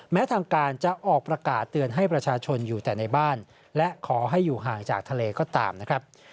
แม้ทางการจะออกประกาศเตือนให้ประชาชนอยู่แต่ในบ้านและขอให้อยู่ห่างจากทะเลก็ตามนะครับ